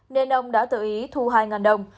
nên ông đã tự ý thu hai đồng